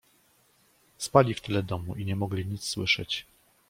"Spali w tyle domu i nie mogli nic słyszeć."